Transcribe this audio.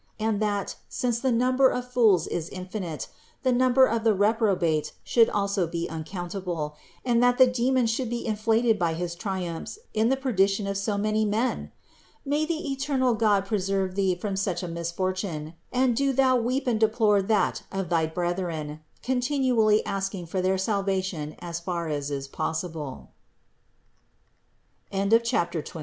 And that, since the number of fools is infinite, the number of the reprobate should also be uncountable, and that the demon should be inflated by his triumphs in the perdition of so many men? May the eternal God preserve thee from such a misfortune; and do thou weep and deplore that of thy brethren, continually asking for their salvation as far as is possible. CHAPTER XXIII.